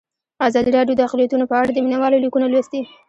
ازادي راډیو د اقلیتونه په اړه د مینه والو لیکونه لوستي.